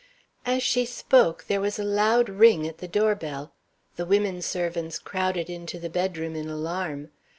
As she spoke there was a loud ring at the doorbell. The women servants crowded into the bedroom in alarm.